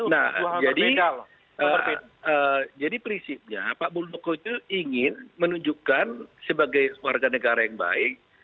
nah jadi prinsipnya pak muldoko itu ingin menunjukkan sebagai warga negara yang baik